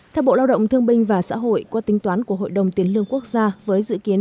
theo bộ lao động thương binh và xã hội qua tính toán của hội đồng tiến lương quốc gia với dự kiến